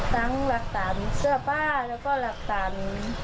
ทั้งหลักศาลเสื้อผ้าแล้วก็หลักศาล